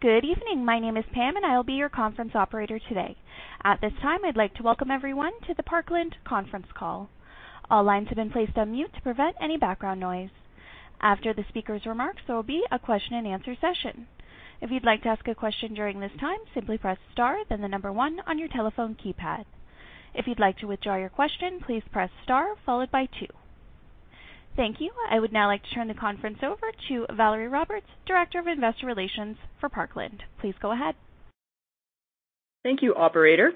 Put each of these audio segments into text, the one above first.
Good evening. My name is Pam, and I will be your conference operator today. At this time, I'd like to welcome everyone to the Parkland conference call. All lines have been placed on mute to prevent any background noise. After the speaker's remarks, there will be a question-and-answer session. If you'd like to ask a question during this time, simply press star then the number one on your telephone keypad. If you'd like to withdraw your question, please press star followed by two. Thank you. I would now like to turn the conference over to Valerie Roberts, Director of Investor Relations for Parkland. Please go ahead. Thank you, operator.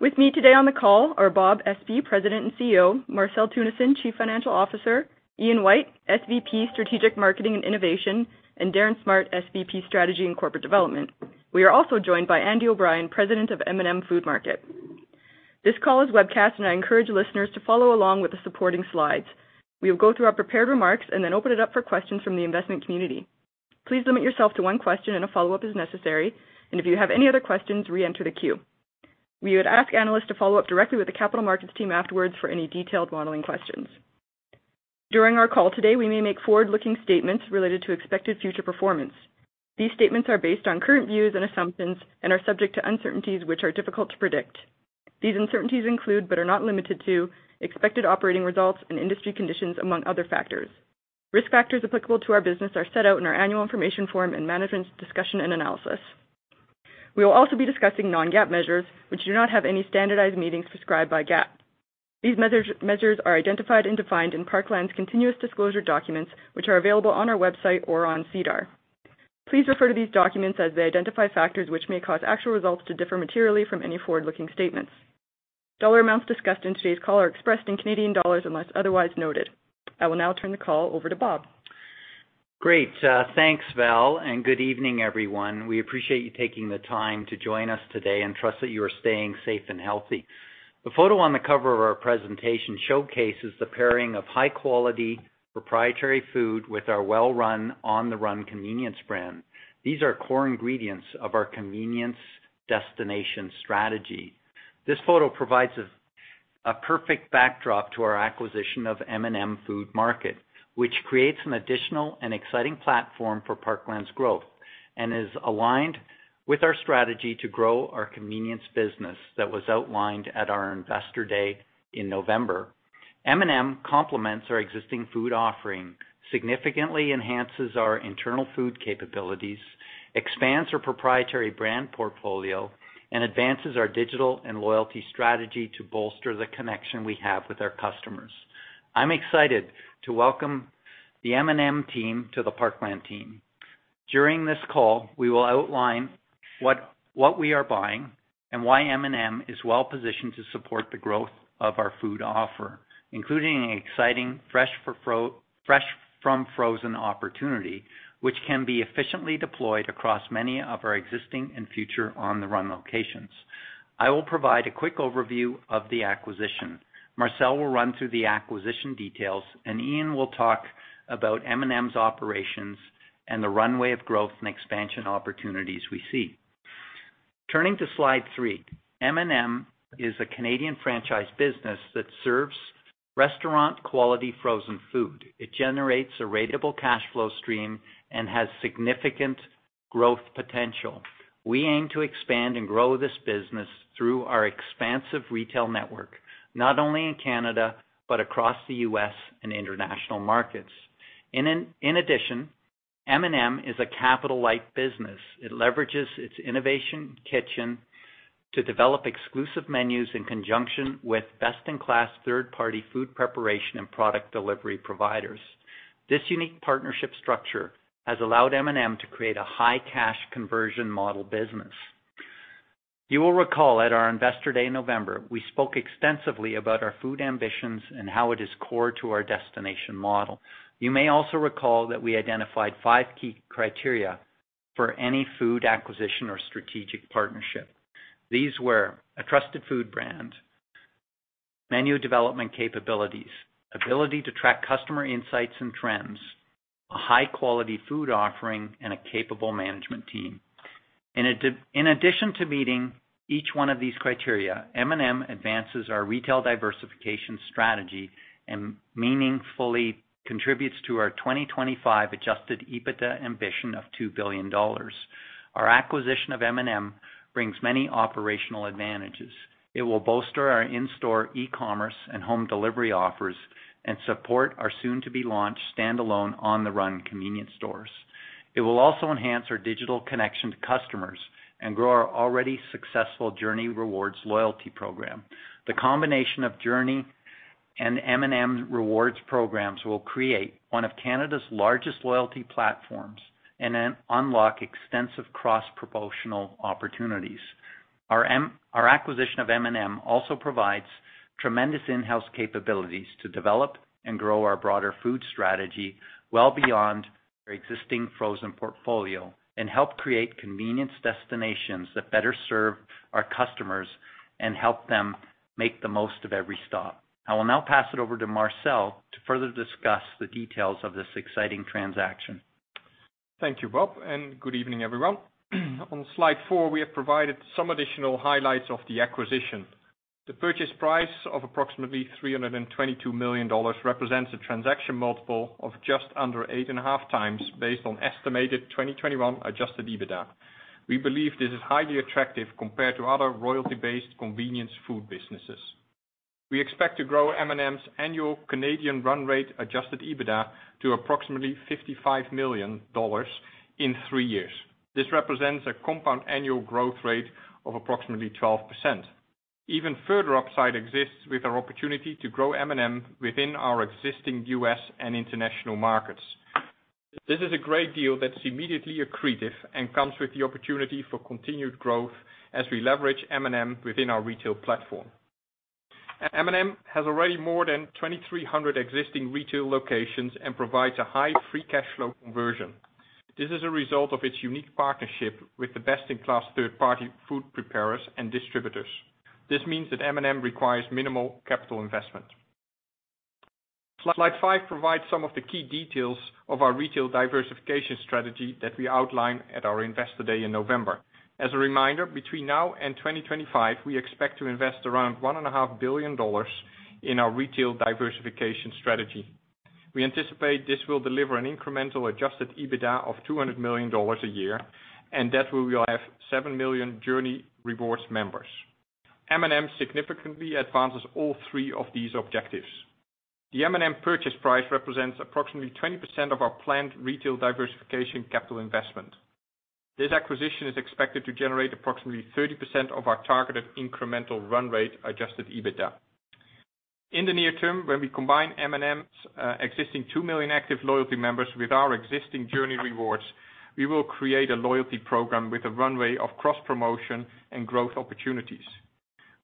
With me today on the call are Bob Espey, President and CEO, Marcel Teunissen, Chief Financial Officer, Ian White, SVP, Strategic Marketing and Innovation, and Darren Smart, SVP, Strategy and Corporate Development. We are also joined by Andy O'Brien, President of M&M Food Market. This call is webcast, and I encourage listeners to follow along with the supporting slides. We will go through our prepared remarks and then open it up for questions from the investment community. Please limit yourself to one question and a follow-up as necessary. If you have any other questions, re-enter the queue. We would ask analysts to follow up directly with the capital markets team afterwards for any detailed modeling questions. During our call today, we may make forward-looking statements related to expected future performance. These statements are based on current views and assumptions and are subject to uncertainties which are difficult to predict. These uncertainties include, but are not limited to, expected operating results and industry conditions, among other factors. Risk factors applicable to our business are set out in our annual information form and management's discussion and analysis. We will also be discussing non-GAAP measures, which do not have any standardized meanings prescribed by GAAP. These measures are identified and defined in Parkland's continuous disclosure documents, which are available on our website or on SEDAR. Please refer to these documents as they identify factors which may cause actual results to differ materially from any forward-looking statements. Dollar amounts discussed in today's call are expressed in Canadian dollars unless otherwise noted. I will now turn the call over to Bob. Great. Thanks, Val, and good evening, everyone. We appreciate you taking the time to join us today and trust that you are staying safe and healthy. The photo on the cover of our presentation showcases the pairing of high-quality proprietary food with our well-run On the Run convenience brand. These are core ingredients of our convenience destination strategy. This photo provides us a perfect backdrop to our acquisition of M&M Food Market, which creates an additional and exciting platform for Parkland's growth and is aligned with our strategy to grow our convenience business that was outlined at our Investor Day in November. M&M complements our existing food offering, significantly enhances our internal food capabilities, expands our proprietary brand portfolio, and advances our digital and loyalty strategy to bolster the connection we have with our customers. I'm excited to welcome the M&M team to the Parkland team. During this call, we will outline what we are buying and why M&M is well-positioned to support the growth of our food offer, including an exciting fresh from frozen opportunity, which can be efficiently deployed across many of our existing and future On the Run locations. I will provide a quick overview of the acquisition. Marcel will run through the acquisition details, and Ian will talk about M&M's operations and the runway of growth and expansion opportunities we see. Turning to slide three. M&M is a Canadian franchise business that serves restaurant-quality frozen food. It generates a ratable cash flow stream and has significant growth potential. We aim to expand and grow this business through our expansive retail network, not only in Canada but across the U.S. and international markets. In addition, M&M is a capital-light business. It leverages its innovation kitchen to develop exclusive menus in conjunction with best-in-class third-party food preparation and product delivery providers. This unique partnership structure has allowed M&M to create a high cash conversion model business. You will recall at our Investor Day in November, we spoke extensively about our food ambitions and how it is core to our destination model. You may also recall that we identified five key criteria for any food acquisition or strategic partnership. These were a trusted food brand, menu development capabilities, ability to track customer insights and trends, a high-quality food offering, and a capable management team. In addition to meeting each one of these criteria, M&M advances our retail diversification strategy and meaningfully contributes to our 2025 Adjusted EBITDA ambition of 2 billion dollars. Our acquisition of M&M brings many operational advantages. It will bolster our in-store e-commerce and home delivery offers and support our soon-to-be-launched standalone On the Run convenience stores. It will also enhance our digital connection to customers and grow our already successful Journie Rewards loyalty program. The combination of Journie and M&M's rewards programs will create one of Canada's largest loyalty platforms and then unlock extensive cross-promotional opportunities. Our acquisition of M&M also provides tremendous in-house capabilities to develop and grow our broader food strategy well beyond our existing frozen portfolio and help create convenience destinations that better serve our customers and help them make the most of every stop. I will now pass it over to Marcel to further discuss the details of this exciting transaction. Thank you, Bob, and good evening, everyone. On slide four, we have provided some additional highlights of the acquisition. The purchase price of approximately 322 million dollars represents a transaction multiple of just under 8.5x based on estimated 2021 Adjusted EBITDA. We believe this is highly attractive compared to other royalty-based convenience food businesses. We expect to grow M&M's annual Canadian run rate Adjusted EBITDA to approximately 55 million dollars in 3 years. This represents a compound annual growth rate of approximately 12%. Even further upside exists with our opportunity to grow M&M within our existing U.S. and international markets. This is a great deal that's immediately accretive and comes with the opportunity for continued growth as we leverage M&M within our retail platform. M&M has already more than 2,300 existing retail locations and provides a high free cash flow conversion. This is a result of its unique partnership with the best-in-class third-party food preparers and distributors. This means that M&M requires minimal capital investment. Slide five provides some of the key details of our retail diversification strategy that we outlined at our Investor Day in November. As a reminder, between now and 2025, we expect to invest around $1.5 billion in our retail diversification strategy. We anticipate this will deliver an incremental Adjusted EBITDA of $200 million a year, and that we will have 7 million Journie Rewards members. M&M significantly advances all three of these objectives. The M&M purchase price represents approximately 20% of our planned retail diversification capital investment. This acquisition is expected to generate approximately 30% of our targeted incremental run rate Adjusted EBITDA. In the near term, when we combine M&M's existing 2 million active loyalty members with our existing Journie Rewards, we will create a loyalty program with a runway of cross-promotion and growth opportunities.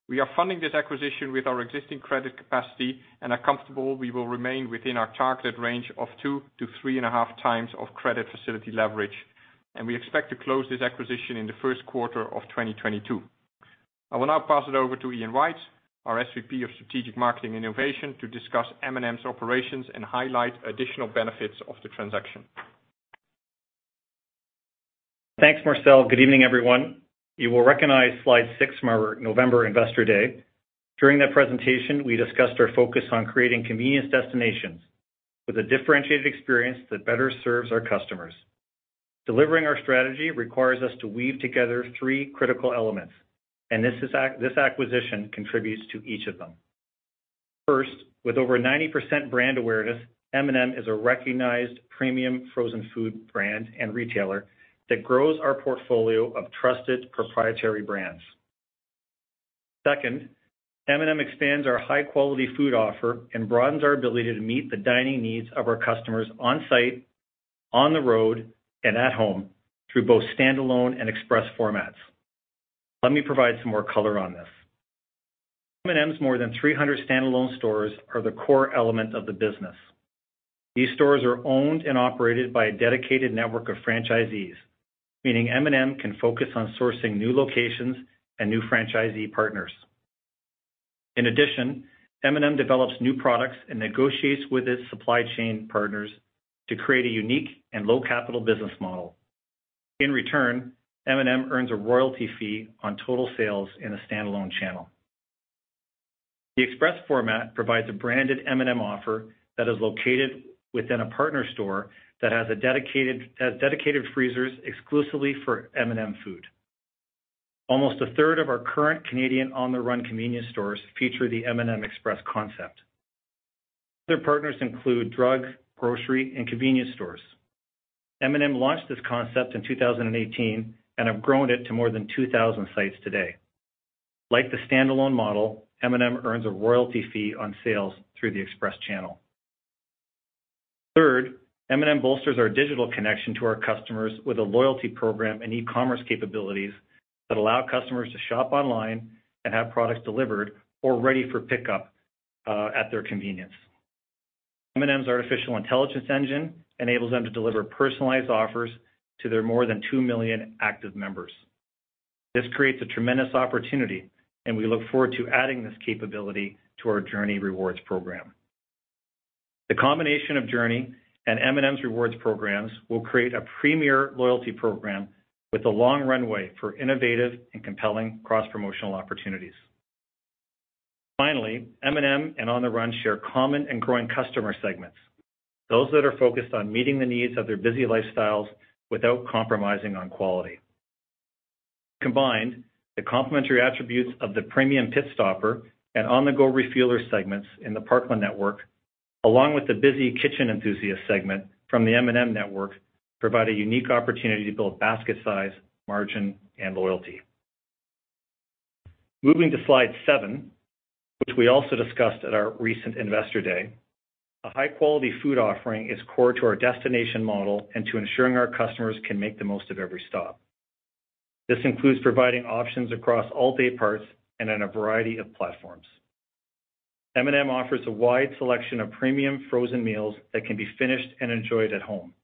We are funding this acquisition with our existing credit capacity and are comfortable we will remain within our targeted range of 2-3.5 times credit facility leverage, and we expect to close this acquisition in the first quarter of 2022. I will now pass it over to Ian White, our SVP of Strategic Marketing and Innovation, to discuss M&M's operations and highlight additional benefits of the transaction. Thanks, Marcel. Good evening, everyone. You will recognize slide six from our November Investor Day. During that presentation, we discussed our focus on creating convenience destinations with a differentiated experience that better serves our customers. Delivering our strategy requires us to weave together three critical elements, and this acquisition contributes to each of them. First, with over 90% brand awareness, M&M is a recognized premium frozen food brand and retailer that grows our portfolio of trusted proprietary brands. Second, M&M expands our high-quality food offer and broadens our ability to meet the dining needs of our customers on-site, on the road, and at home through both standalone and express formats. Let me provide some more color on this. M&M's more than 300 standalone stores are the core element of the business. These stores are owned and operated by a dedicated network of franchisees, meaning M&M can focus on sourcing new locations and new franchisee partners. In addition, M&M develops new products and negotiates with its supply chain partners to create a unique and low-capital business model. In return, M&M earns a royalty fee on total sales in a standalone channel. The express format provides a branded M&M offer that is located within a partner store that has a dedicated freezers exclusively for M&M food. Almost a third of our current Canadian On the Run convenience stores feature the M&M Express concept. Other partners include drug, grocery, and convenience stores. M&M launched this concept in 2018 and have grown it to more than 2,000 sites today. Like the standalone model, M&M earns a royalty fee on sales through the express channel. Third, M&M bolsters our digital connection to our customers with a loyalty program and e-commerce capabilities that allow customers to shop online and have products delivered or ready for pickup at their convenience. M&M's artificial intelligence engine enables them to deliver personalized offers to their more than 2 million active members. This creates a tremendous opportunity, and we look forward to adding this capability to our Journie Rewards program. The combination of Journie and M&M's Rewards programs will create a premier loyalty program with a long runway for innovative and compelling cross-promotional opportunities. Finally, M&M and On the Run share common and growing customer segments, those that are focused on meeting the needs of their busy lifestyles without compromising on quality. Combined, the complementary attributes of the premium pit stopper and on-the-go refueler segments in the Parkland network, along with the busy kitchen enthusiast segment from the M&M network, provide a unique opportunity to build basket size, margin, and loyalty. Moving to slide 7, which we also discussed at our recent Investor Day. A high-quality food offering is core to our destination model and to ensuring our customers can make the most of every stop. This includes providing options across all day parts and in a variety of platforms. M&M offers a wide selection of premium frozen meals that can be finished and enjoyed at home.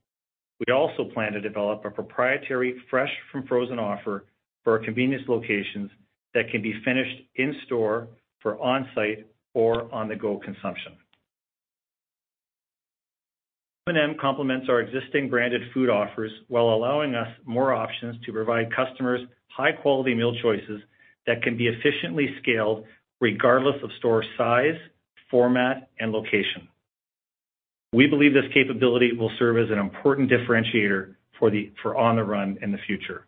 We also plan to develop a proprietary fresh from frozen offer for our convenience locations that can be finished in-store for on-site or on-the-go consumption. M&M complements our existing branded food offers while allowing us more options to provide customers high-quality meal choices that can be efficiently scaled regardless of store size, format, and location. We believe this capability will serve as an important differentiator for On the Run in the future.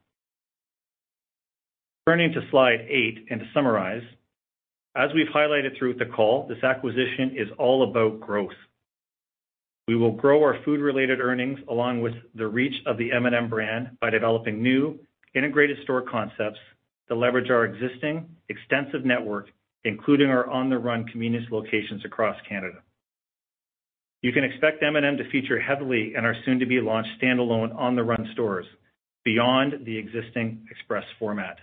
Turning to slide eight and to summarize, as we've highlighted throughout the call, this acquisition is all about growth. We will grow our food-related earnings along with the reach of the M&M brand by developing new integrated store concepts to leverage our existing extensive network, including our On the Run convenience locations across Canada. You can expect M&M to feature heavily in our soon-to-be-launched standalone On the Run stores beyond the existing Express format.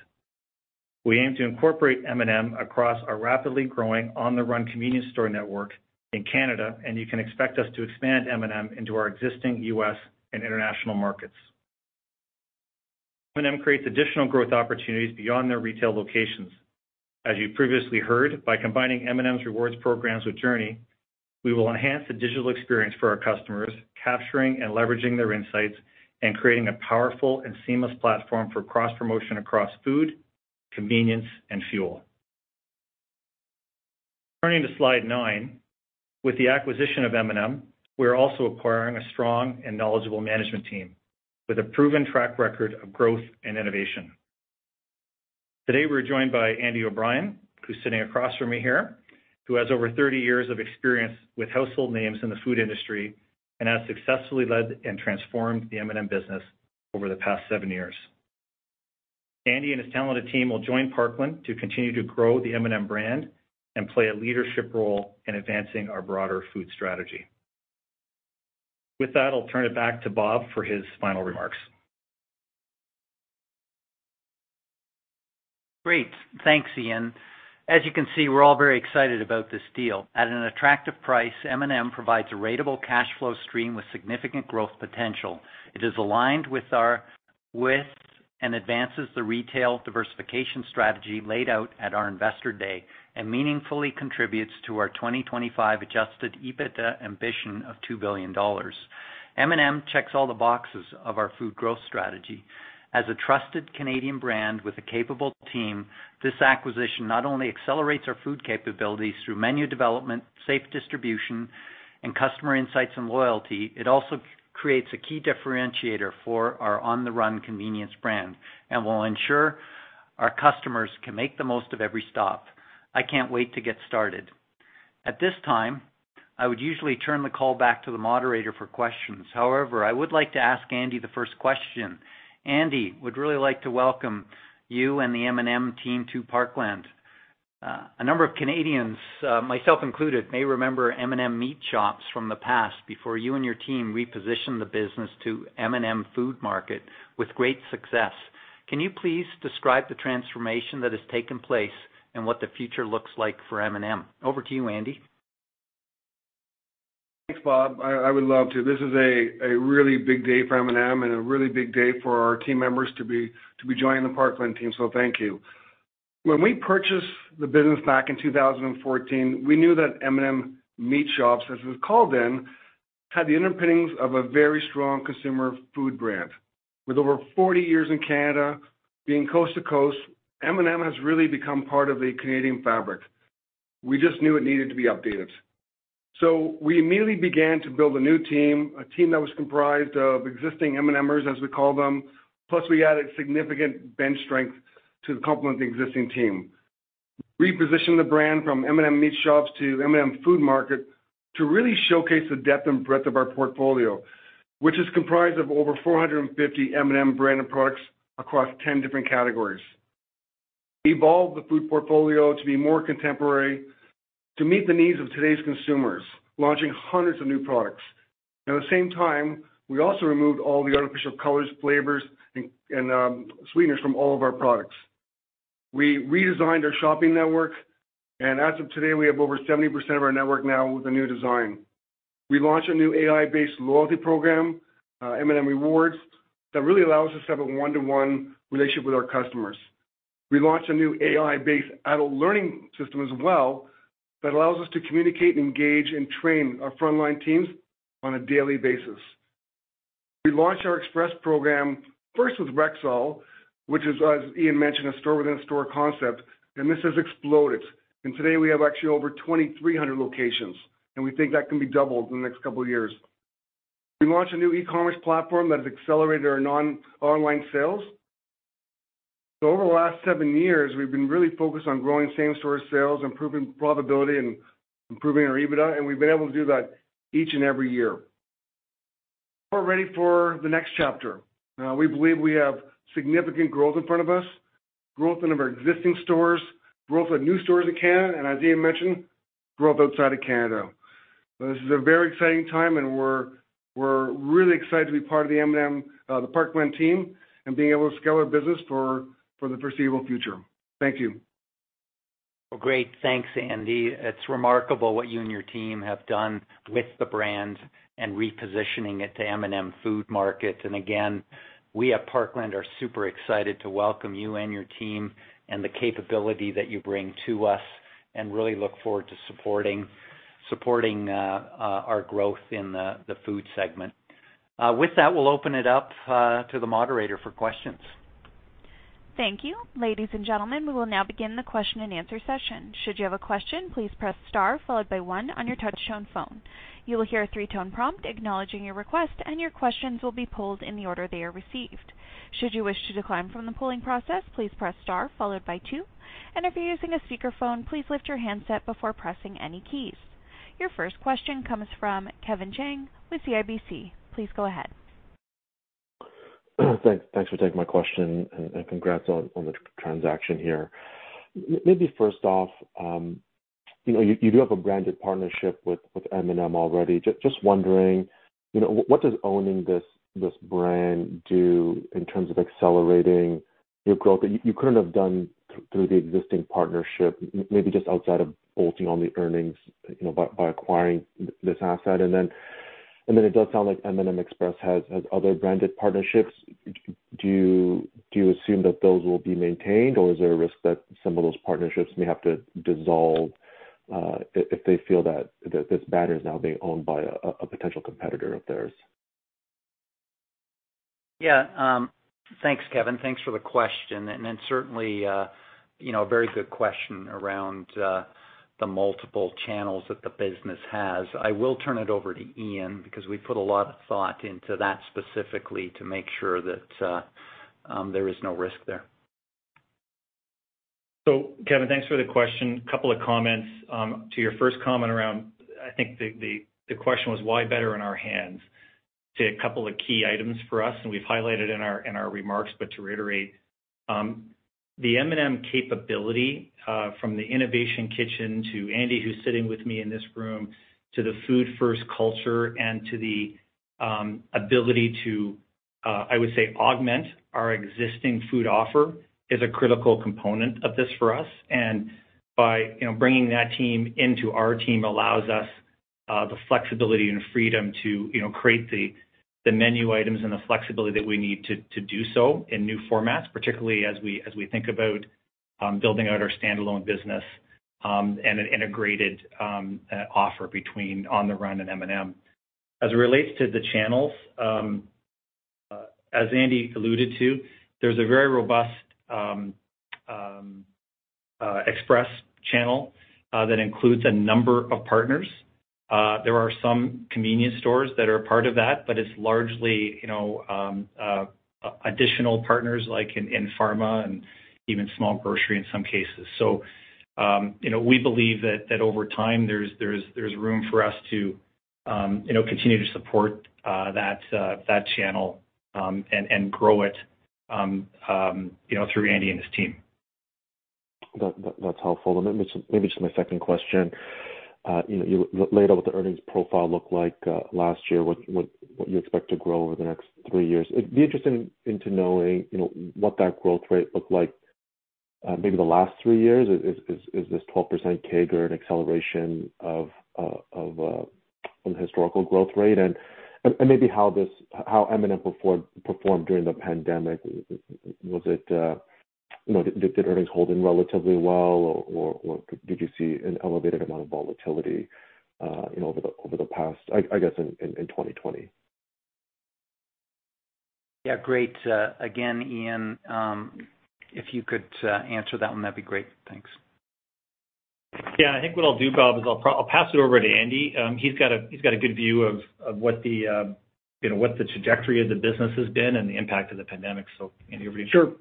We aim to incorporate M&M across our rapidly growing On the Run convenience store network in Canada, and you can expect us to expand M&M into our existing U.S. and international markets. M&M creates additional growth opportunities beyond their retail locations. As you previously heard, by combining M&M's rewards programs with Journie, we will enhance the digital experience for our customers, capturing and leveraging their insights and creating a powerful and seamless platform for cross-promotion across food, convenience, and fuel. Turning to slide 9, with the acquisition of M&M, we're also acquiring a strong and knowledgeable management team with a proven track record of growth and innovation. Today, we're joined by Andy O'Brien, who's sitting across from me here, who has over 30 years of experience with household names in the food industry and has successfully led and transformed the M&M business over the past 7 years. Andy and his talented team will join Parkland to continue to grow the M&M brand and play a leadership role in advancing our broader food strategy. With that, I'll turn it back to Bob for his final remarks. Great. Thanks, Ian. As you can see, we're all very excited about this deal. At an attractive price, M&M provides a ratable cash flow stream with significant growth potential. It is aligned with our widths and advances the retail diversification strategy laid out at our Investor Day and meaningfully contributes to our 2025 Adjusted EBITDA ambition of 2 billion dollars. M&M checks all the boxes of our food growth strategy. As a trusted Canadian brand with a capable team, this acquisition not only accelerates our food capabilities through menu development, scale distribution, and customer insights and loyalty, it also creates a key differentiator for our On the Run convenience brand and will ensure our customers can make the most of every stop. I can't wait to get started. At this time, I would usually turn the call back to the moderator for questions. However, I would like to ask Andy the first question. Andy, I would really like to welcome you and the M&M team to Parkland. A number of Canadians, myself included, may remember M&M Meat Shops from the past before you and your team repositioned the business to M&M Food Market with great success. Can you please describe the transformation that has taken place and what the future looks like for M&M? Over to you, Andy. Thanks, Bob. I would love to. This is a really big day for M&M and a really big day for our team members to be joining the Parkland team. Thank you. When we purchased the business back in 2014, we knew that M&M Meat Shops, as it was called then, had the underpinnings of a very strong consumer food brand. With over 40 years in Canada, being coast to coast, M&M has really become part of the Canadian fabric. We just knew it needed to be updated. We immediately began to build a new team, a team that was comprised of existing M&M-ers, as we call them. Plus, we added significant bench strength to complement the existing team. Repositioned the brand from M&M Meat Shops to M&M Food Market to really showcase the depth and breadth of our portfolio, which is comprised of over 450 M&M branded products across 10 different categories. We evolved the food portfolio to be more contemporary to meet the needs of today's consumers, launching hundreds of new products. Now, at the same time, we also removed all the artificial colors, flavors, and sweeteners from all of our products. We redesigned our shopping network, and as of today, we have over 70% of our network now with a new design. We launched a new AI-based loyalty program, M&M Rewards, that really allows us to have a one-to-one relationship with our customers. We launched a new AI-based adult learning system as well that allows us to communicate, engage, and train our frontline teams on a daily basis. We launched our Express program first with Rexall, which is, as Ian mentioned, a store-within-a-store concept, and this has exploded. Today we have actually over 2,300 locations, and we think that can be doubled in the next couple of years. We launched a new e-commerce platform that has accelerated our non-online sales. Over the last 7 years, we've been really focused on growing same-store sales, improving profitability, and improving our EBITDA, and we've been able to do that each and every year. We're ready for the next chapter. We believe we have significant growth in front of us, growth in our existing stores, growth in new stores in Canada, and as Ian mentioned, growth outside of Canada. This is a very exciting time, and we're really excited to be part of the M&M, the Parkland team and being able to scale our business for the foreseeable future. Thank you. Well, great. Thanks, Andy. It's remarkable what you and your team have done with the brand and repositioning it to M&M Food Market. We at Parkland are super excited to welcome you and your team and the capability that you bring to us. We really look forward to supporting our growth in the food segment. With that, we'll open it up to the moderator for questions. Thank you. Ladies and gentlemen, we will now begin the question-and-answer session. Should you have a question, please press star followed by one on your touchtone phone. You will hear a three-tone prompt acknowledging your request, and your questions will be pulled in the order they are received. Should you wish to decline from the polling process, please press star followed by two. If you're using a speakerphone, please lift your handset before pressing any keys. Your first question comes from Kevin Chiang with CIBC. Please go ahead. Thanks for taking my question and congrats on the transaction here. Maybe first off, you know, you do have a branded partnership with M&M already. Just wondering, you know, what does owning this brand do in terms of accelerating your growth that you couldn't have done through the existing partnership, maybe just outside of bolting on the earnings, you know, by acquiring this asset? It does sound like M&M Express has other branded partnerships. Do you assume that those will be maintained, or is there a risk that some of those partnerships may have to dissolve, if they feel that this brand is now being owned by a potential competitor of theirs? Yeah. Thanks, Kevin. Thanks for the question, and then certainly, you know, a very good question around the multiple channels that the business has. I will turn it over to Ian, because we put a lot of thought into that specifically to make sure that there is no risk there. Kevin, thanks for the question. A couple of comments. To your first comment, I think the question was why better in our hands? To a couple of key items for us, and we've highlighted in our remarks, but to reiterate, the M&M capability, from the innovation kitchen to Andy, who's sitting with me in this room, to the food-first culture and to the ability to, I would say, augment our existing food offer is a critical component of this for us. By you know, bringing that team into our team allows us the flexibility and freedom to, you know, create the menu items and the flexibility that we need to do so in new formats, particularly as we think about building out our standalone business and an integrated offer between On the Run and M&M. As it relates to the channels, as Andy alluded to, there's a very robust express channel that includes a number of partners. There are some convenience stores that are a part of that, but it's largely, you know, additional partners like in pharma and even small grocery in some cases. You know, we believe that over time, there's room for us to, you know, continue to support that channel and grow it, you know, through Andy and his team. That's helpful. Maybe just my second question. You know, you laid out what the earnings profile looked like last year, what you expect to grow over the next three years. It'd be interesting to know, you know, what that growth rate looked like maybe the last three years. Is this 12% CAGR an acceleration from the historical growth rate? Maybe how M&M performed during the pandemic. Was it, you know, did earnings hold up relatively well, or did you see an elevated amount of volatility, you know, over the past, I guess in 2020? Yeah, great. Again, Ian, if you could answer that one, that'd be great. Thanks. Yeah. I think what I'll do, Bob, is I'll pass it over to Andy. He's got a good view of what the trajectory of the business has been and the impact of the pandemic. Andy, over to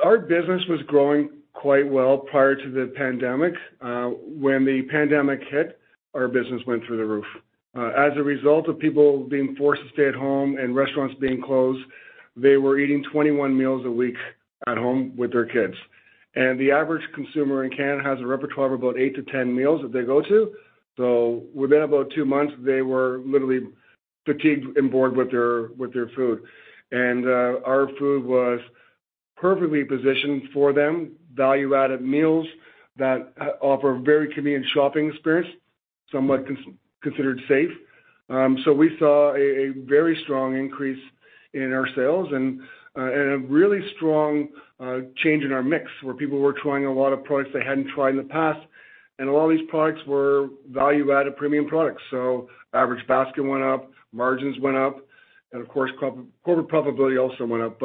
you. Sure. Our business was growing quite well prior to the pandemic. When the pandemic hit, our business went through the roof. As a result of people being forced to stay at home and restaurants being closed, they were eating 21 meals a week at home with their kids. The average consumer in Canada has a repertoire of about 8 to 10 meals that they go to. Within about two months, they were literally fatigued and bored with their food. Our food was perfectly positioned for them, value-added meals that offer a very convenient shopping experience, somewhat considered safe. We saw a very strong increase in our sales and a really strong change in our mix, where people were trying a lot of products they hadn't tried in the past. All these products were value-added premium products. Average basket went up, margins went up, and of course, corporate profitability also went up.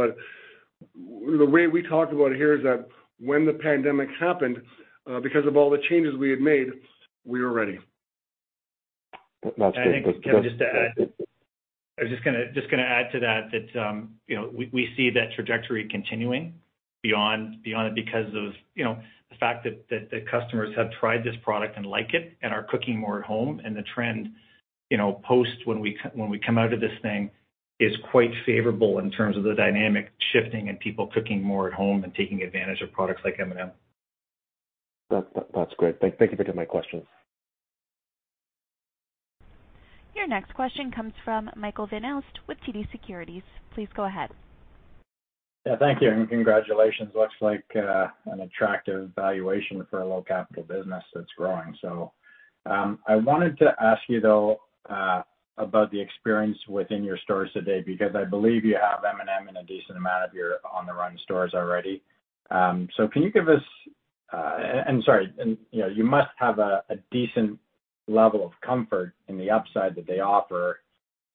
The way we talk about it here is that when the pandemic happened, because of all the changes we had made, we were ready. That's great. I think, Kevin, just to add, I was just gonna add to that, you know, we see that trajectory continuing beyond it because of, you know, the fact that the customers have tried this product and like it and are cooking more at home. The trend, you know, post when we come out of this thing, is quite favorable in terms of the dynamic shifting and people cooking more at home and taking advantage of products like M&M. That's great. Thank you for taking my questions. Your next question comes from Michael Van Aelst with TD Securities. Please go ahead. Yeah, thank you, and congratulations. Looks like an attractive valuation for a low capital business that's growing. I wanted to ask you though, about the experience within your stores today, because I believe you have M&M in a decent amount of your On the Run stores already. Can you give us- You know, you must have a decent level of comfort in the upside that they offer,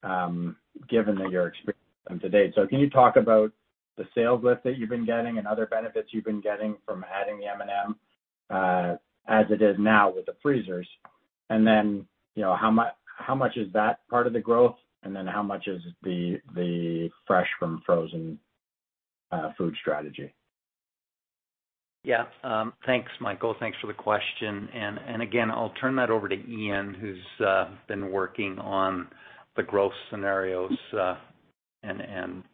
given that your experience to date. Can you talk about the sales lift that you've been getting and other benefits you've been getting from adding the M&M, as it is now with the freezers? You know, how much is that part of the growth, and then how much is the fresh from frozen food strategy? Yeah. Thanks, Michael. Thanks for the question. Again, I'll turn that over to Ian, who's been working on the growth scenarios, and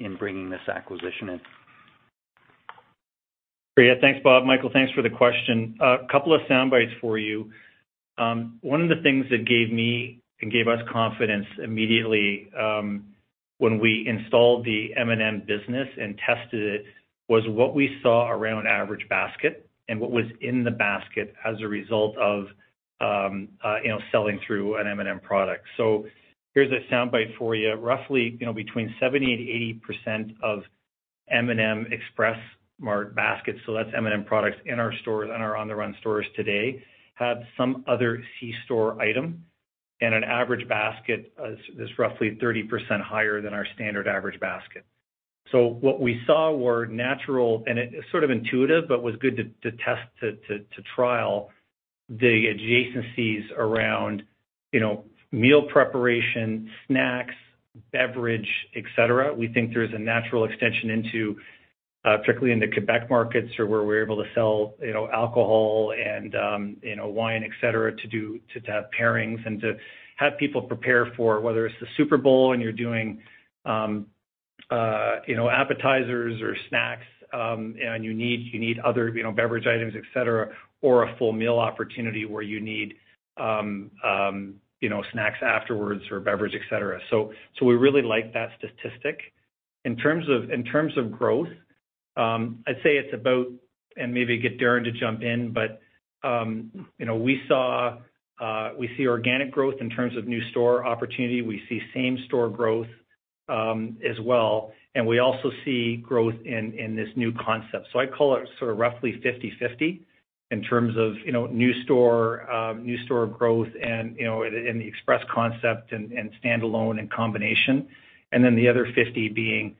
in bringing this acquisition in. Great. Thanks, Bob. Michael, thanks for the question. A couple of soundbites for you. One of the things that gave me and gave us confidence immediately, when we installed the M&M business and tested it, was what we saw around average basket and what was in the basket as a result of, you know, selling through an M&M product. Here's a soundbite for you. Roughly, you know, between 70%-80% of M&M Express Mart baskets, so that's M&M products in our stores, in our On the Run stores today, have some other C store item. An average basket is roughly 30% higher than our standard average basket. What we saw were natural, and it's sort of intuitive, but was good to trial the adjacencies around, you know, meal preparation, snacks, beverage, et cetera. We think there's a natural extension into particularly in the Quebec markets or where we're able to sell, you know, alcohol and, you know, wine, et cetera, to have pairings and to have people prepare for whether it's the Super Bowl when you're doing, you know, appetizers or snacks, and you need other, you know, beverage items, et cetera, or a full meal opportunity where you need, you know, snacks afterwards or beverage, et cetera. So we really like that statistic. In terms of growth, I'd say it's about, and maybe get Darren to jump in, but, you know, we see organic growth in terms of new store opportunity. We see same-store growth as well, and we also see growth in this new concept. I call it sort of roughly 50/50 in terms of, you know, new store growth and, you know, in the express concept and standalone and combination. Then the other 50 being,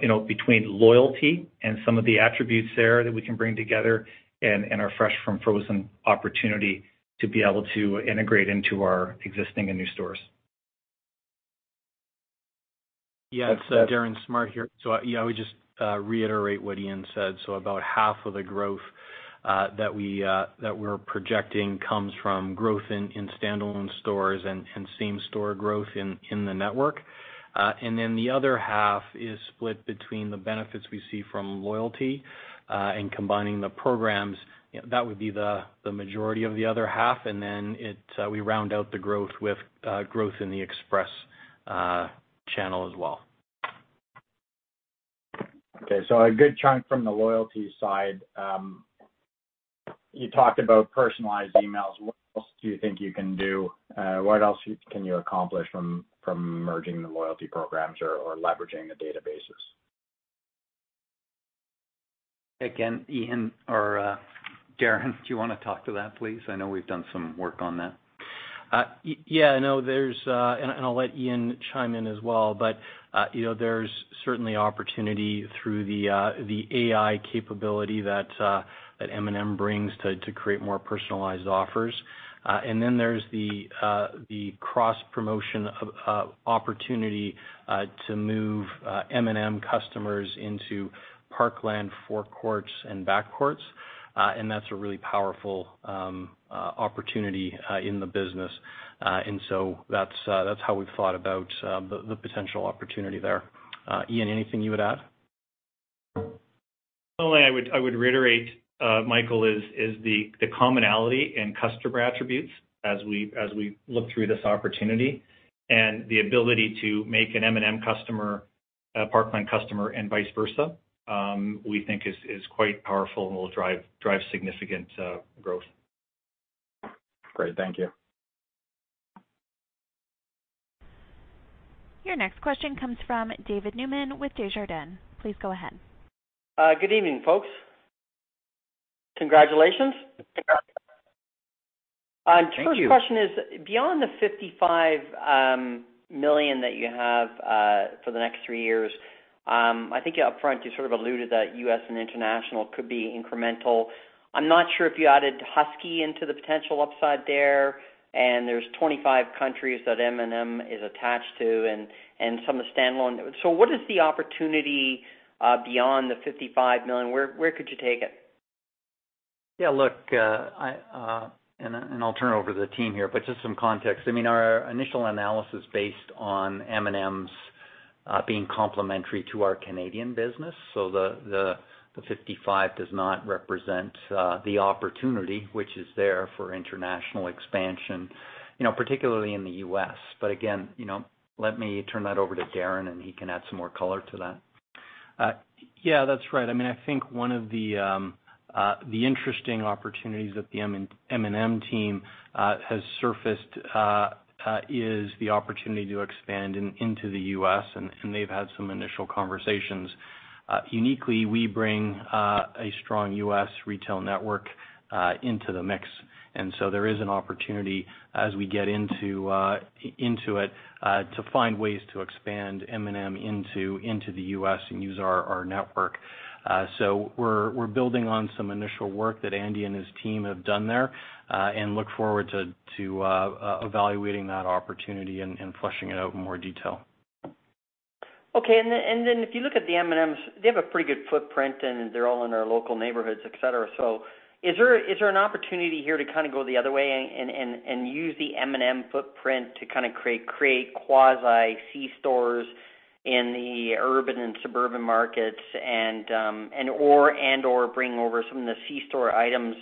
you know, between loyalty and some of the attributes there that we can bring together and our fresh from frozen opportunity to be able to integrate into our existing and new stores. That's- Yeah. It's Darren Smart here. Yeah, we just reiterate what Ian said. About half of the growth that we're projecting comes from growth in standalone stores and same store growth in the network. Then the other half is split between the benefits we see from loyalty and combining the programs. That would be the majority of the other half. Then we round out the growth with growth in the express channel as well. Okay. A good chunk from the loyalty side. You talked about personalized emails. What else do you think you can do? What else can you accomplish from merging the loyalty programs or leveraging the databases? Again, Ian or Darren, do you wanna talk to that, please? I know we've done some work on that. Yeah, no, and I'll let Ian chime in as well. You know, there's certainly opportunity through the AI capability that M&M brings to create more personalized offers. Then there's the cross-promotion opportunity to move M&M customers into Parkland forecourts and back courts. That's a really powerful opportunity in the business. That's how we've thought about the potential opportunity there. Ian, anything you would add? I would reiterate, Michael, the commonality in customer attributes as we look through this opportunity and the ability to make an M&M customer a Parkland customer and vice versa, we think is quite powerful and will drive significant growth. Great. Thank you. Your next question comes from David Newman with Desjardins. Please go ahead. Good evening. Thank you. First question is, beyond the 55 million that you have for the next three years, I think upfront, you sort of alluded that U.S. and international could be incremental. I'm not sure if you added Husky into the potential upside there, and there's 25 countries that M&M is attached to and some are standalone. So what is the opportunity beyond the 55 million? Where could you take it? Yeah, look, and I'll turn it over to the team here, but just some context. I mean, our initial analysis based on M&M's being complementary to our Canadian business. So the 55 million does not represent the opportunity which is there for international expansion, you know, particularly in the U.S. Again, you know, let me turn that over to Darren, and he can add some more color to that. Yeah, that's right. I mean, I think one of the interesting opportunities that the M&M team has surfaced is the opportunity to expand into the U.S., and they've had some initial conversations. Uniquely, we bring a strong U.S. retail network into the mix. There is an opportunity as we get into it to find ways to expand M&M into the U.S. and use our network. We're building on some initial work that Andy and his team have done there and look forward to evaluating that opportunity and fleshing it out in more detail. If you look at the M&Ms, they have a pretty good footprint, and they're all in our local neighborhoods, et cetera. Is there an opportunity here to kind of go the other way and use the M&M footprint to kind of create quasi C-stores in the urban and suburban markets and/or bring over some of the C-store items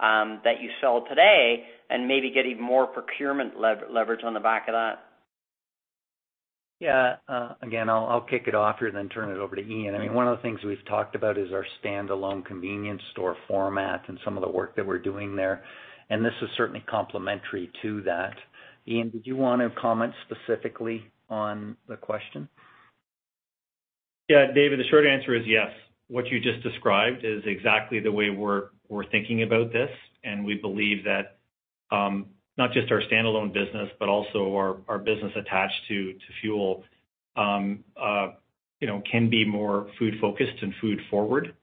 that you sell today and maybe get even more procurement leverage on the back of that? Yeah. Again, I'll kick it off here and then turn it over to Ian. I mean, one of the things we've talked about is our standalone convenience store format and some of the work that we're doing there, and this is certainly complementary to that. Ian, did you want to comment specifically on the question? Yeah. David, the short answer is yes. What you just described is exactly the way we're thinking about this, and we believe that not just our standalone business, but also our business attached to fuel, you know, can be more food-focused and food-forward.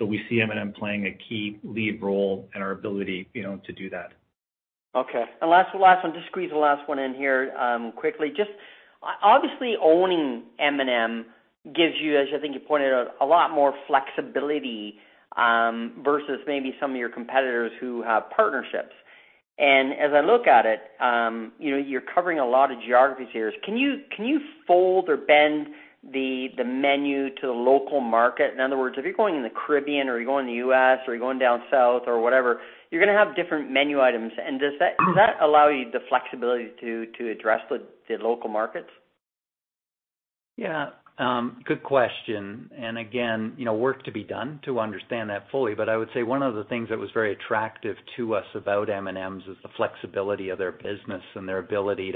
We see M&M playing a key lead role in our ability, you know, to do that. Okay. Last one, just squeeze it in here quickly. Just obviously, owning M&M gives you, as I think you pointed out, a lot more flexibility versus maybe some of your competitors who have partnerships. As I look at it, you know, you're covering a lot of geographies here. Can you fold or bend the menu to the local market? In other words, if you're going in the Caribbean or you're going in the U.S. or you're going down south or whatever, you're gonna have different menu items. Does that- Mm-hmm. Does that allow you the flexibility to address the local markets? Yeah. Good question. Again, you know, work to be done to understand that fully, but I would say one of the things that was very attractive to us about M&Ms is the flexibility of their business and their ability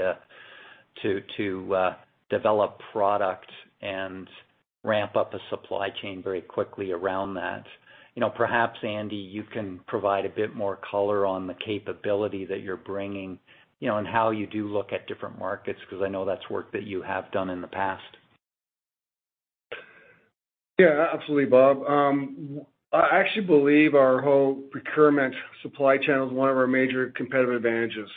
to develop product and ramp up a supply chain very quickly around that. You know, perhaps, Andy, you can provide a bit more color on the capability that you're bringing, you know, and how you do look at different markets because I know that's work that you have done in the past. Absolutely, Bob. I actually believe our whole procurement supply chain is one of our major competitive advantages.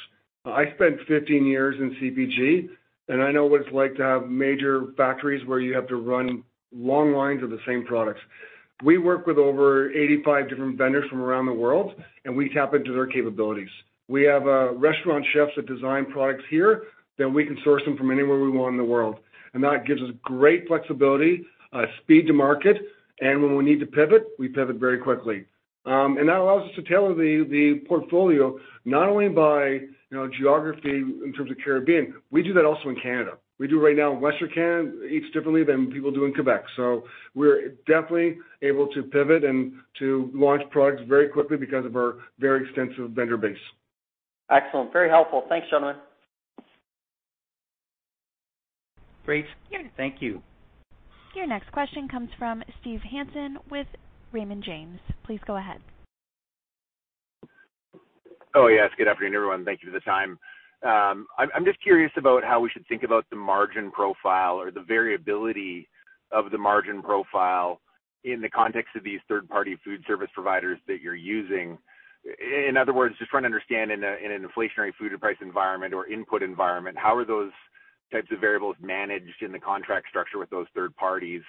I spent 15 years in CPG, and I know what it's like to have major factories where you have to run long lines of the same products. We work with over 85 different vendors from around the world, and we tap into their capabilities. We have restaurant chefs that design products here, then we can source them from anywhere we want in the world. That gives us great flexibility, speed to market, and when we need to pivot, we pivot very quickly. That allows us to tailor the portfolio not only by, you know, geography in terms of Caribbean, we do that also in Canada. We do it right now in Western Canada, eats differently than people do in Quebec. We're definitely able to pivot and to launch products very quickly because of our very extensive vendor base. Excellent. Very helpful. Thanks, gentlemen. Great. Thank you. Your next question comes from Steve Hansen with Raymond James. Please go ahead. Oh, yes. Good afternoon, everyone. Thank you for the time. I'm just curious about how we should think about the margin profile or the variability of the margin profile in the context of these third-party food service providers that you're using. In other words, just trying to understand in an inflationary food and price environment or input environment, how are those types of variables managed in the contract structure with those third parties?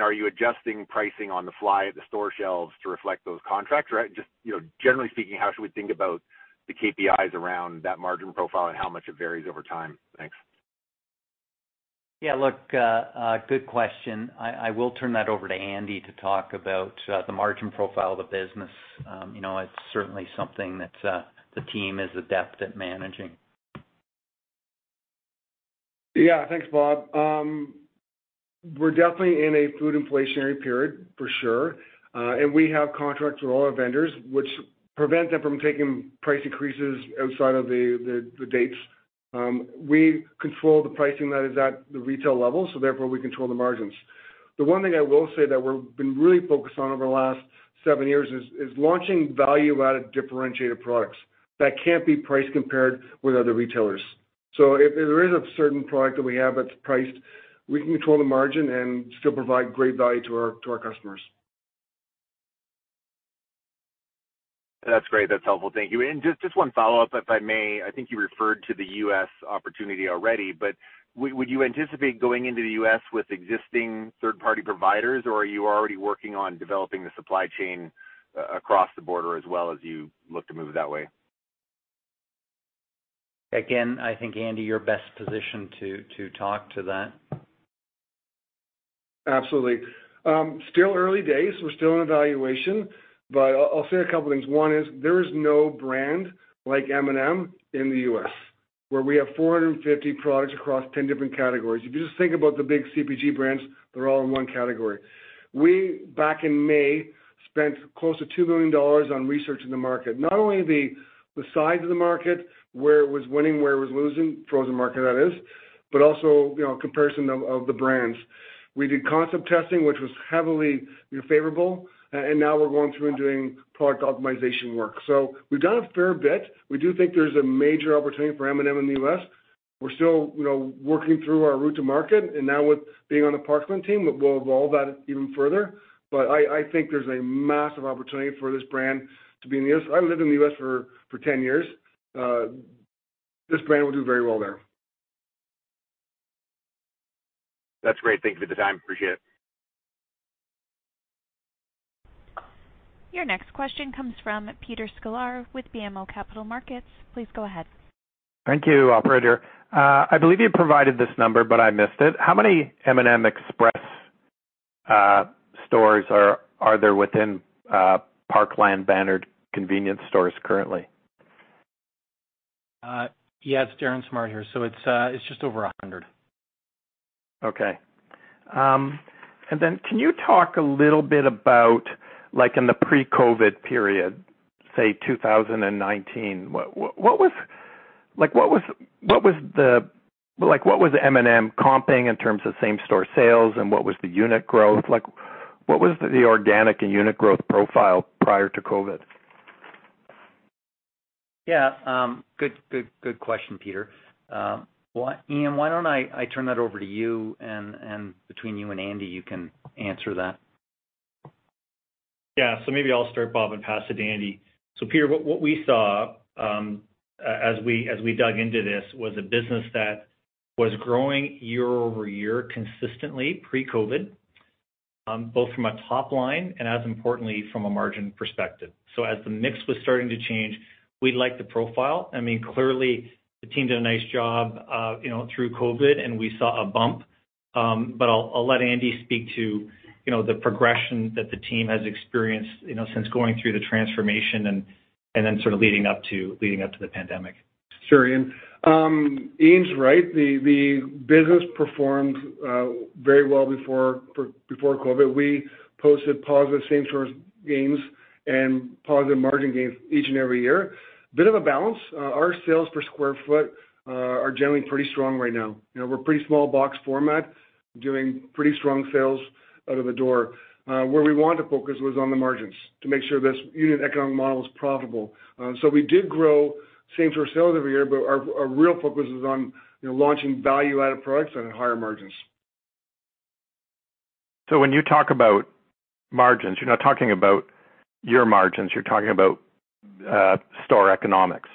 Are you adjusting pricing on the fly at the store shelves to reflect those contracts? Right. Just, you know, generally speaking, how should we think about the KPIs around that margin profile and how much it varies over time? Thanks. Yeah. Look, a good question. I will turn that over to Andy to talk about the margin profile of the business. You know, it's certainly something that the team is adept at managing. Yeah. Thanks, Bob. We're definitely in a food inflationary period, for sure. We have contracts with all our vendors which prevent them from taking price increases outside of the dates. We control the pricing that is at the retail level, so therefore we control the margins. The one thing I will say that we've been really focused on over the last seven years is launching value-added differentiated products that can't be price compared with other retailers. If there is a certain product that we have that's priced, we can control the margin and still provide great value to our customers. That's great. That's helpful. Thank you. Just one follow-up, if I may. I think you referred to the U.S. opportunity already, but would you anticipate going into the U.S. with existing third-party providers, or are you already working on developing the supply chain across the border as well as you look to move that way? Again, I think, Andy, you're best positioned to talk to that. Absolutely. Still early days. We're still in evaluation, but I'll say a couple things. One is there is no brand like M&M in the U.S., where we have 450 products across 10 different categories. If you just think about the big CPG brands, they're all in one category. We back in May spent close to $2 billion on researching the market. Not only the size of the market, where it was winning, where it was losing, frozen market that is, but also, you know, comparison of the brands. We did concept testing, which was heavily, you know, favorable. Now we're going through and doing product optimization work. We've done a fair bit. We do think there's a major opportunity for M&M in the U.S. We're still, you know, working through our route to market, and now with being on the Parkland team we'll evolve that even further. I think there's a massive opportunity for this brand to be in the U.S. I lived in the U.S. for 10 years, this brand will do very well there. That's great. Thank you for the time. Appreciate it. Your next question comes from Peter Sklar with BMO Capital Markets. Please go ahead. Thank you, operator. I believe you provided this number, but I missed it. How many M&M Express stores are there within Parkland bannered convenience stores currently? Yeah, it's Darren Smart here. It's just over 100. Okay. Can you talk a little bit about like in the pre-COVID period, say, 2019? What was the M&M comping in terms of same-store sales and what was the unit growth like? What was the organic and unit growth profile prior to COVID? Yeah. Good question, Peter. Well, Ian, why don't I turn that over to you and between you and Andy, you can answer that. Yeah. Maybe I'll start, Bob, and pass it to Andy. Peter, what we saw, as we dug into this was a business that was growing year-over-year consistently pre-COVID, both from a top-line and as importantly from a margin perspective. As the mix was starting to change, we liked the profile. I mean, clearly the team did a nice job, you know, through COVID, and we saw a bump. I'll let Andy speak to, you know, the progression that the team has experienced, you know, since going through the transformation and then sort of leading up to the pandemic. Sure Ian. Ian's right. The business performed very well before COVID. We posted positive same-store sales growth and positive margin gains each and every year. A bit of a balance. Our sales per sq ft are generally pretty strong right now. You know, we're pretty small box format, doing pretty strong sales out of the door. Where we want to focus was on the margins to make sure this unit economic model is profitable. We did grow same-store sales every year, but our real focus was on, you know, launching value-added products and higher margins. When you talk about margins, you're not talking about your margins, you're talking about store economics.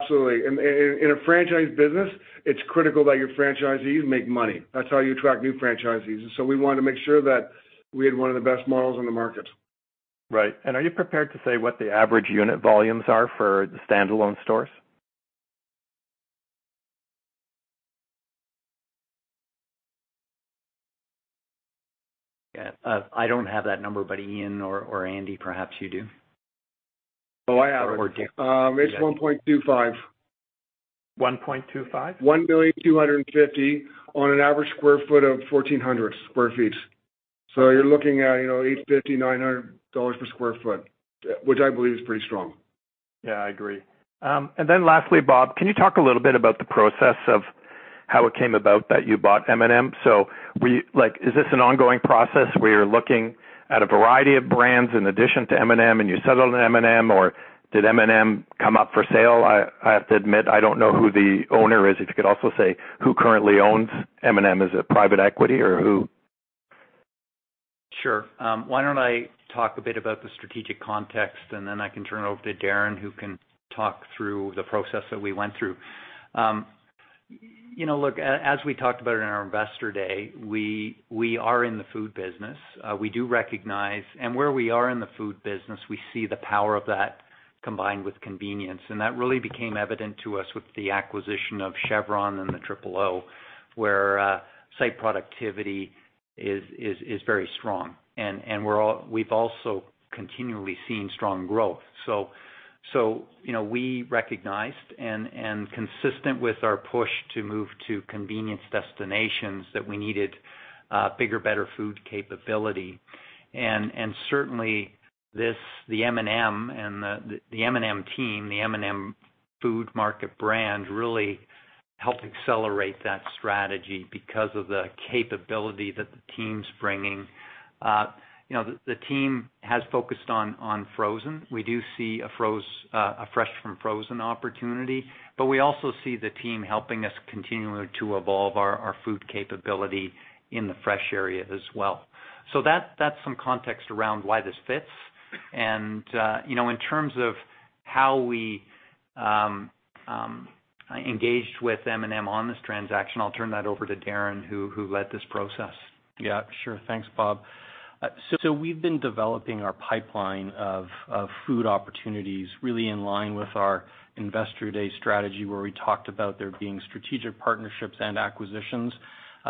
Absolutely. In a franchise business, it's critical that your franchisees make money. That's how you attract new franchisees. We wanted to make sure that we had one of the best models on the market. Right. Are you prepared to say what the average unit volumes are for the standalone stores? Yeah. I don't have that number, but Ian or Andy, perhaps you do. Oh, I have it. It's 1.25. 1.25? 1.25 million on an average sq ft of 1,400 sq ft. You're looking at, you know, 850-900 dollars per sq ft, which I believe is pretty strong. Yeah, I agree. Lastly, Bob, can you talk a little bit about the process of how it came about that you bought M&M? Like, is this an ongoing process where you're looking at a variety of brands in addition to M&M and you settled on M&M? Or did M&M come up for sale? I have to admit, I don't know who the owner is. If you could also say who currently owns M&M. Is it private equity or who? Sure. Why don't I talk a bit about the strategic context, and then I can turn it over to Darren, who can talk through the process that we went through. You know, look, as we talked about in our investor day, we are in the food business. We do recognize where we are in the food business, we see the power of that combined with convenience. That really became evident to us with the acquisition of Chevron and the Triple O's, where site productivity is very strong. We've also continually seen strong growth. You know, we recognized consistent with our push to move to convenience destinations, that we needed bigger, better food capability. Certainly this, the M&M and the M&M team, the M&M Food Market brand really helped accelerate that strategy because of the capability that the team's bringing. The team has focused on frozen. We do see a fresh from frozen opportunity, but we also see the team helping us continually to evolve our food capability in the fresh area as well. That's some context around why this fits. In terms of how we engaged with M&M on this transaction, I'll turn that over to Darren who led this process. Yeah, sure. Thanks, Bob. So we've been developing our pipeline of food opportunities really in line with our investor day strategy, where we talked about there being strategic partnerships and acquisitions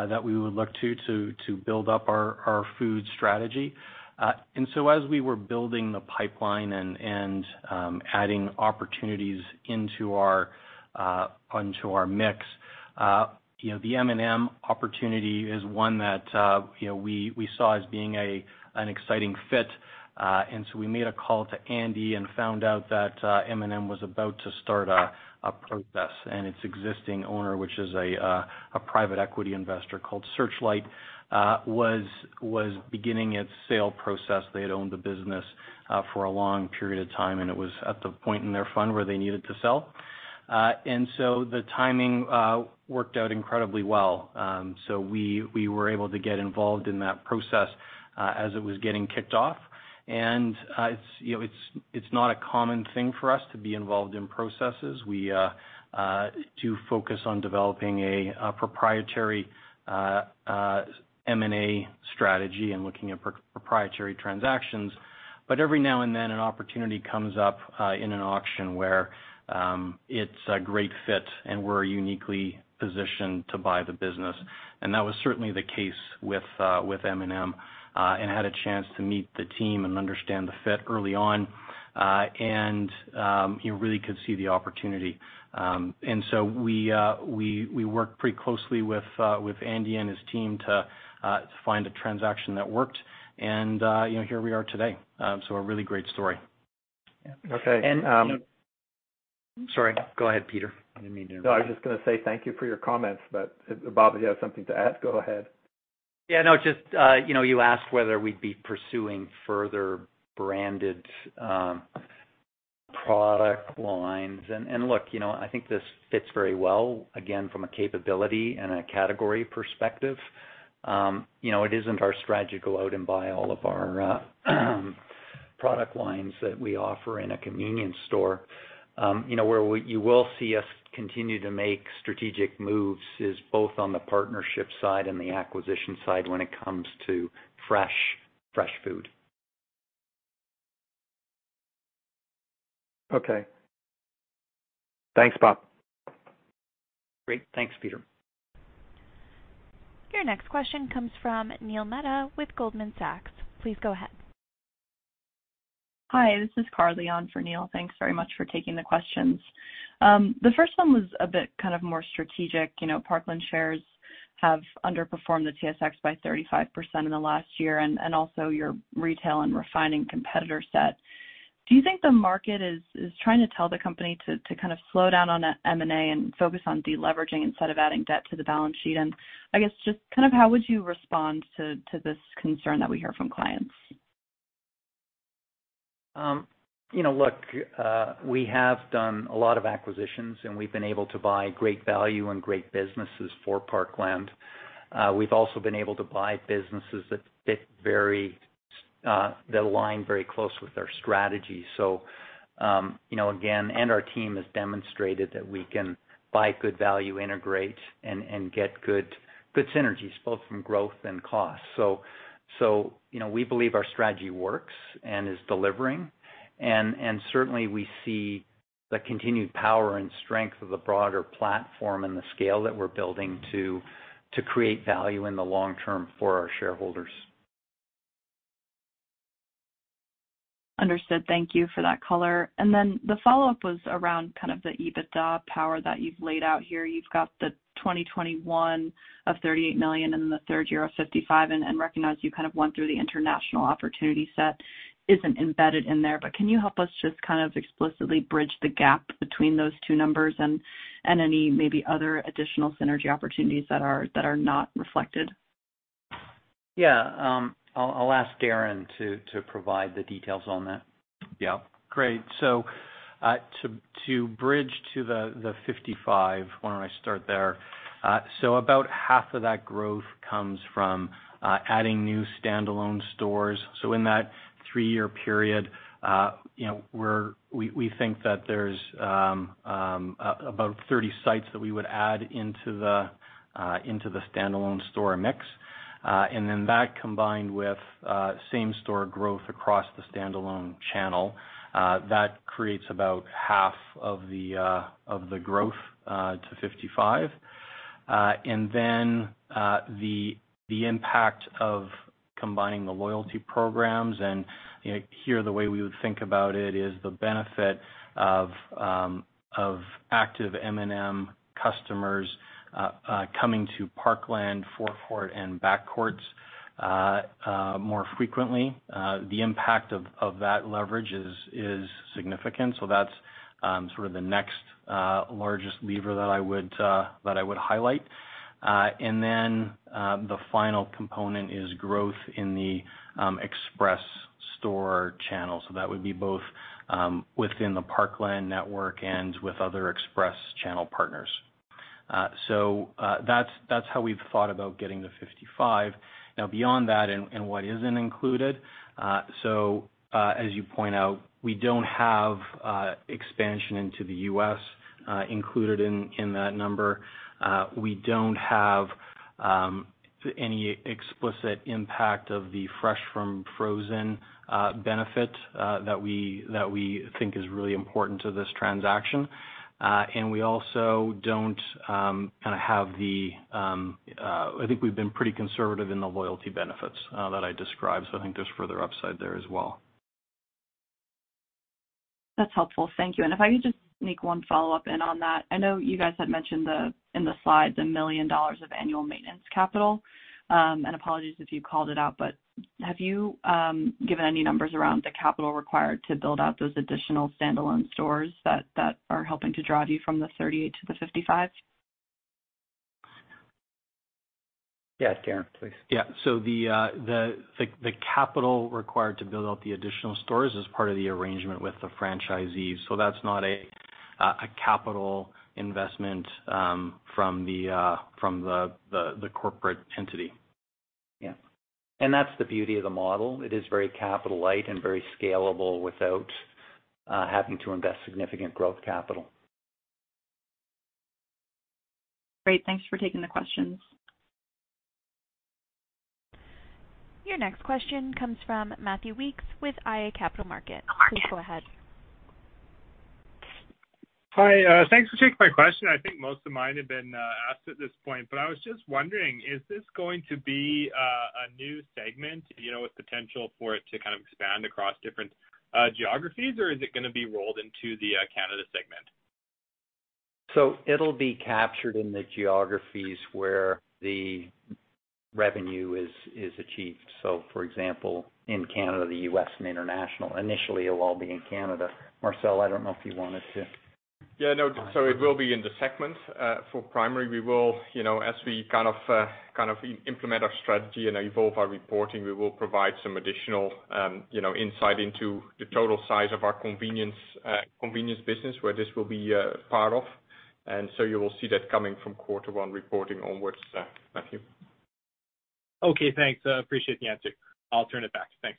that we would look to build up our food strategy. As we were building the pipeline and adding opportunities onto our mix You know, the M&M opportunity is one that, you know, we saw as being an exciting fit. We made a call to Andy and found out that M&M was about to start a process and its existing owner, which is a private equity investor called Searchlight, was beginning its sale process. They had owned the business for a long period of time, and it was at the point in their fund where they needed to sell. The timing worked out incredibly well. We were able to get involved in that process as it was getting kicked off. You know, it's not a common thing for us to be involved in processes. We do focus on developing a proprietary M&A strategy and looking at proprietary transactions. Every now and then, an opportunity comes up in an auction where it's a great fit and we're uniquely positioned to buy the business. That was certainly the case with M&M and had a chance to meet the team and understand the fit early on and you really could see the opportunity. We worked pretty closely with Andy and his team to find a transaction that worked. You know, here we are today. A really great story. Okay. You know. Sorry, go ahead, Peter. I didn't mean to interrupt. No, I was just gonna say thank you for your comments. If Bob, you have something to add, go ahead. Yeah, no, just, you know, you asked whether we'd be pursuing further branded product lines. Look, you know, I think this fits very well, again, from a capability and a category perspective. You know, it isn't our strategy to go out and buy all of our product lines that we offer in a convenience store. You know, you will see us continue to make strategic moves is both on the partnership side and the acquisition side when it comes to fresh food. Okay. Thanks, Bob. Great. Thanks, Peter. Your next question comes from Neil Mehta with Goldman Sachs. Please go ahead. Hi, this is Carly, on for Neil. Thanks very much for taking the questions. The first one was a bit kind of more strategic. You know, Parkland shares have underperformed the TSX by 35% in the last year and also your retail and refining competitor set. Do you think the market is trying to tell the company to kind of slow down on M&A and focus on deleveraging instead of adding debt to the balance sheet? I guess just kind of how would you respond to this concern that we hear from clients? You know, look, we have done a lot of acquisitions, and we've been able to buy great value and great businesses for Parkland. We've also been able to buy businesses that fit very, that align very close with our strategy. You know, again, our team has demonstrated that we can buy good value, integrate, and get good synergies both from growth and cost. You know, we believe our strategy works and is delivering. Certainly we see the continued power and strength of the broader platform and the scale that we're building to create value in the long term for our shareholders. Understood. Thank you for that color. The follow-up was around kind of the EBITDA power that you've laid out here. You've got the 2021 of 38 million and the third year of 55 million, and recognize you kind of went through the international opportunity set isn't embedded in there. Can you help us just kind of explicitly bridge the gap between those two numbers and any maybe other additional synergy opportunities that are not reflected? Yeah. I'll ask Darren to provide the details on that. Yeah. Great. To bridge to the 55. Why don't I start there? About half of that growth comes from adding new standalone stores. In that three-year period, you know, we think that there's about 30 sites that we would add into the standalone store mix. And then that combined with same-store growth across the standalone channel, that creates about half of the growth to 55. And then the impact of combining the loyalty programs and, you know, here, the way we would think about it is the benefit of active M&M customers coming to Parkland forecourt and back courts more frequently. The impact of that leverage is significant. That's sort of the next largest lever that I would highlight. Then the final component is growth in the express store channel. That would be both within the Parkland network and with other express channel partners. That's how we've thought about getting to 55. Beyond that and what isn't included, as you point out, we don't have expansion into the U.S. included in that number. We don't have any explicit impact of the fresh from frozen benefit that we think is really important to this transaction. We also don't kind of have the loyalty benefits that I described. I think we've been pretty conservative in the loyalty benefits that I described. I think there's further upside there as well. That's helpful. Thank you. If I could just make one follow-up on that. I know you guys had mentioned, in the slides, 1 million dollars of annual maintenance capital. Apologies if you called it out, but have you given any numbers around the capital required to build out those additional standalone stores that are helping to drive you from the 30 to the 55? Yes, Darren, please. Yeah. The capital required to build out the additional stores is part of the arrangement with the franchisees. That's not a capital investment from the corporate entity. Yeah. That's the beauty of the model. It is very capital light and very scalable without having to invest significant growth capital. Great. Thanks for taking the questions. Your next question comes from Matthew Weekes with iA Capital Markets. Please go ahead. Hi. Thanks for taking my question. I think most of mine have been asked at this point, but I was just wondering, is this going to be a new segment, you know, with potential for it to kind of expand across different geographies, or is it gonna be rolled into the Canada segment? It'll be captured in the geographies where the revenue is achieved. For example, in Canada, the U.S., and international, initially, it'll all be in Canada. Marcel, I don't know if you wanted to- Yeah, no. It will be in the segment. For primary, we will, you know, as we kind of implement our strategy and evolve our reporting, we will provide some additional, you know, insight into the total size of our convenience business, where this will be part of. You will see that coming from quarter one reporting onwards, Matthew. Okay, thanks. Appreciate the answer. I'll turn it back. Thanks.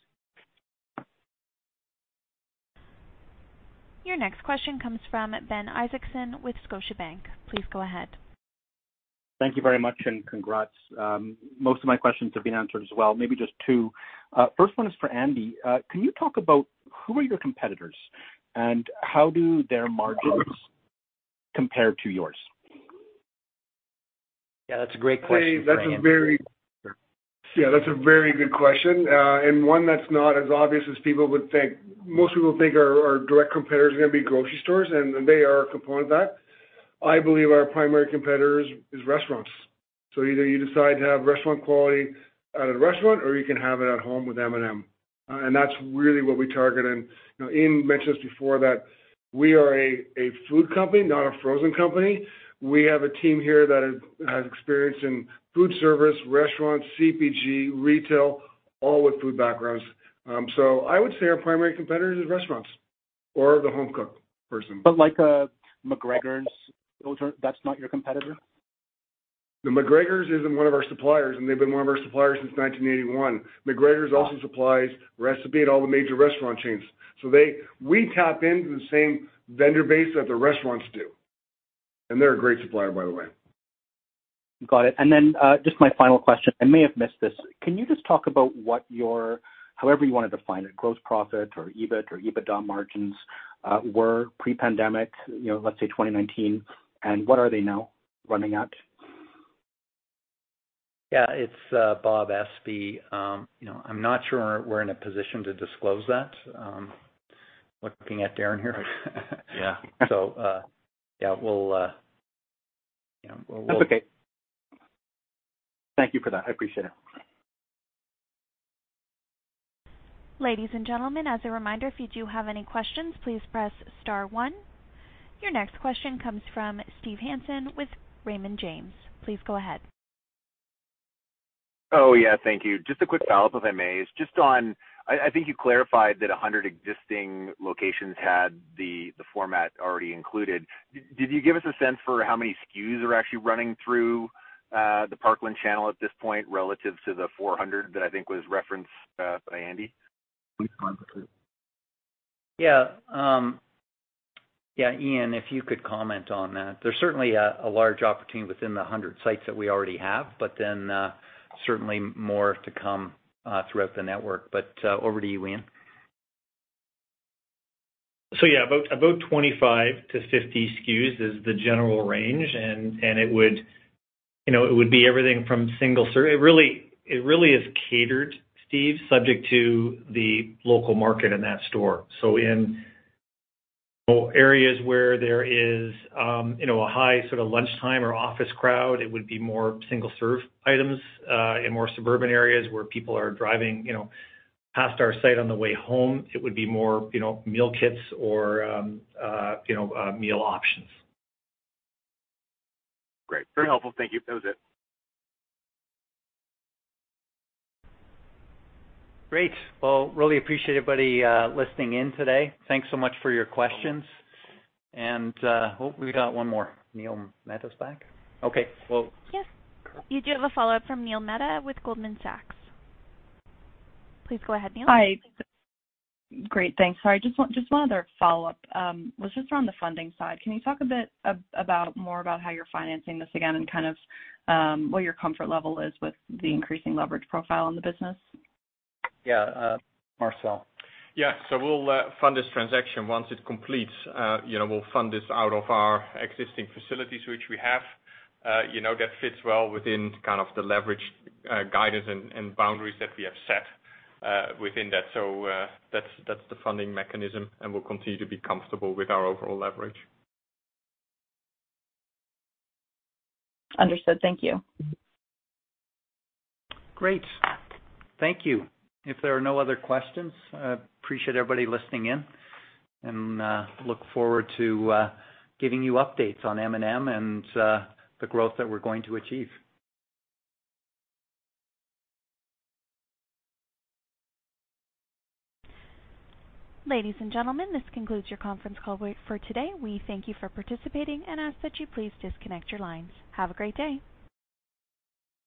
Your next question comes from Ben Isaacson with Scotiabank. Please go ahead. Thank you very much, and congrats. Most of my questions have been answered as well, maybe just two. First one is for Andy. Can you talk about who are your competitors, and how do their margins compare to yours? Yeah, that's a great question for Andy. Yeah, that's a very good question, and one that's not as obvious as people would think. Most people think our direct competitors are gonna be grocery stores, and they are a component of that. I believe our primary competitor is restaurants. Either you decide to have restaurant quality at a restaurant, or you can have it at home with M&M. That's really what we target. You know, Ian mentioned this before, that we are a food company, not a frozen company. We have a team here that has experience in food service, restaurants, CPG, retail, all with food backgrounds. I would say our primary competitor is restaurants or the home cook person. Like a McGregor's, those are, that's not your competitor? The McGregor's is one of our suppliers, and they've been one of our suppliers since 1981. McGregor's also supplies recipe at all the major restaurant chains. We tap into the same vendor base that the restaurants do, and they're a great supplier, by the way. Got it. Just my final question, I may have missed this. Can you just talk about what your, however you wanna define it, gross profit or EBIT or EBITDA margins, were pre-pandemic, you know, let's say 2019, and what are they now running at? It's Bob Espey. You know, I'm not sure we're in a position to disclose that. Looking at Darren here. Yeah. Yeah, you know, we'll That's okay. Thank you for that. I appreciate it. Ladies and gentlemen, as a reminder, if you do have any questions, please press star one. Your next question comes from Steve Hansen with Raymond James. Please go ahead. Oh, yeah, thank you. Just a quick follow-up, if I may. Just on, I think you clarified that 100 existing locations had the format already included. Did you give us a sense for how many SKUs are actually running through the Parkland channel at this point relative to the 400 that I think was referenced by Andy? Yeah, Ian, if you could comment on that. There's certainly a large opportunity within the 100 sites that we already have, but then certainly more to come throughout the network. Over to you, Ian. Yeah, about 25-50 SKUs is the general range, and it would, you know, it would be everything from. It really is catered, Steve, subject to the local market in that store. In areas where there is, you know, a high sort of lunchtime or office crowd, it would be more single-serve items. In more suburban areas where people are driving, you know, past our site on the way home, it would be more, you know, meal kits or meal options. Great. Very helpful. Thank you. That was it. Great. Well, really appreciate everybody listening in today. Thanks so much for your questions. Oh, we got one more. Neil Mehta's back. Okay. Well Yes. You do have a follow-up from Neil Mehta with Goldman Sachs. Please go ahead, Neil. Hi. Great. Thanks. I just want one other follow-up. It was just around the funding side. Can you talk a bit more about how you're financing this again and kind of what your comfort level is with the increasing leverage profile in the business? Yeah. Marcel. We'll fund this transaction once it completes. You know, we'll fund this out of our existing facilities which we have. You know, that fits well within kind of the leverage guidance and boundaries that we have set within that. That's the funding mechanism, and we'll continue to be comfortable with our overall leverage. Understood. Thank you. Great. Thank you. If there are no other questions, I appreciate everybody listening in and look forward to giving you updates on M&M and the growth that we're going to achieve. Ladies and gentlemen, this concludes your conference call for today. We thank you for participating and ask that you please disconnect your lines. Have a great day.